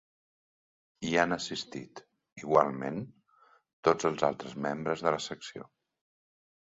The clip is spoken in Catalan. Hi han assistit, igualment, tots els altres membres de la secció.